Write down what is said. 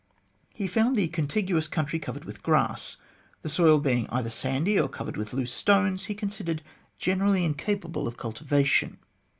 He found the contiguous country covered with grass. The soil, being either sandy or covered with loose stones, he considered generally incapable of cultivation.